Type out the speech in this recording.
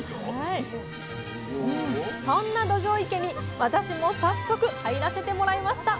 そんなどじょう池に私も早速入らせてもらいました！